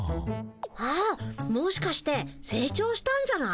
あもしかしてせい長したんじゃない？